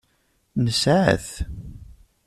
Nesεa-t.